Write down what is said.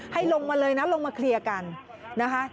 ให้ลงมาเลยนะลงมาเคลียร์กันนะคะ